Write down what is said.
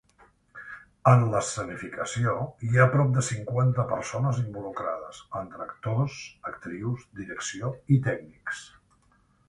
En l'escenificació, hi ha prop de cinquanta persones involucrades, entre actors, actrius, direcció i tècnics.